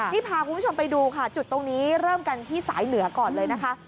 นี่พาคุณผู้ชมไปดูค่ะจุดตรงนี้เริ่มกันที่สายเหนือก่อนเลยนะคะ